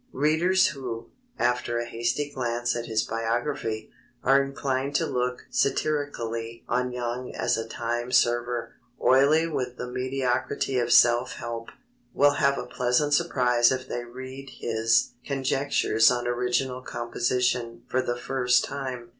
Readers who, after a hasty glance at his biography, are inclined to look satirically on Young as a time server, oily with the mediocrity of self help, will have a pleasant surprise if they read his Conjectures on Original Composition for the first time.